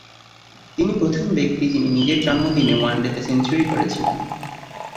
তিনি প্রথম ব্যক্তি যিনি নিজের জন্মদিনে ওয়ানডেতে সেঞ্চুরি করেছিলেন।